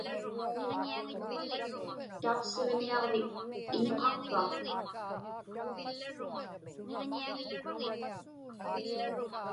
Tauqsiġñiaġvik iñuqaqpa?